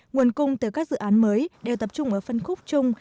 nguồn cung từ các dự án mới đều tập trung ở phân khúc chung